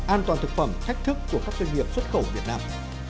an toàn thực phẩm thách thức của các doanh nghiệp xuất khẩu việt nam